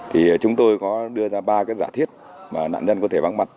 thì chúng tôi có đưa ra ba cái giả thiết mà nạn nhân có thể vắng mặt